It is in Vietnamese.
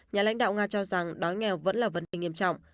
nhà lãnh đạo nga cho rằng đói nghèo vẫn là vấn đề nghiêm trọng